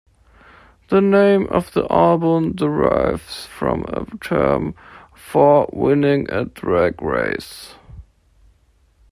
The name of the album derives from a term for winning a drag race.